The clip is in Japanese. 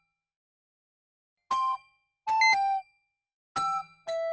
ピッ。